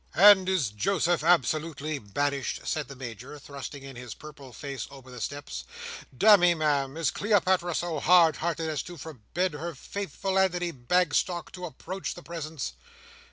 "And is Joseph absolutely banished?" said the Major, thrusting in his purple face over the steps. "Damme, Ma'am, is Cleopatra so hard hearted as to forbid her faithful Antony Bagstock to approach the presence?"